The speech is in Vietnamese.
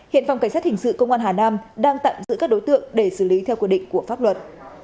hiện phòng cảnh sát hình sự công an hà nam đang tạm giữ các đối tượng để xử lý theo quy định của pháp luật